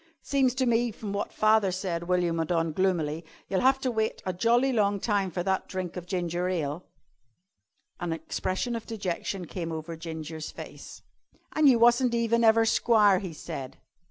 "Seems to me from wot father said," went on William gloomily, "you'll have to wait a jolly long time for that drink of ginger ale." An expression of dejection came over Ginger's face. "An' you wasn't even ever squire," he said.